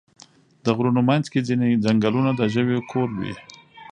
د غرونو منځ کې ځینې ځنګلونه د ژویو کور وي.